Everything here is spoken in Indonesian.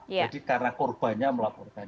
jadi karena korbannya melaporkan